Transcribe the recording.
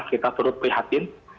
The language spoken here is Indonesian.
kita turut prihatin